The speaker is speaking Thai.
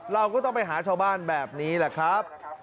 เราก็ต้องไปหาชาวบ้านแบบนี้แหละครับ